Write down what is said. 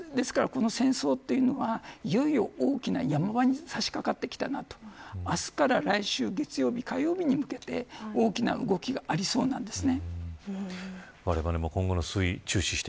この戦争というのは、いよいよ大きなやま場に差しかかってきたな明日から来週月曜日火曜日に向けて大きな動きがわれわれも今後の推移